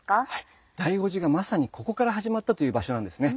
醍醐寺がまさにここから始まったという場所なんですね。